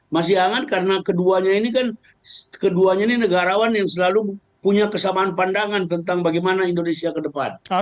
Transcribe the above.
masih hangat karena keduanya ini kan keduanya ini negarawan yang selalu punya kesamaan pandangan tentang bagaimana indonesia ke depan